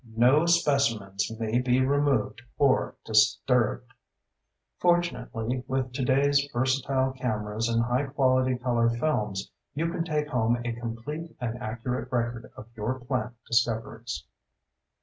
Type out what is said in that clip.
No specimens may be removed or disturbed. Fortunately, with today's versatile cameras and high quality color films you can take home a complete and accurate record of your plant discoveries.